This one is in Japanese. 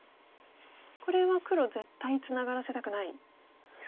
これは黒絶対ツナがらせたくないんですか。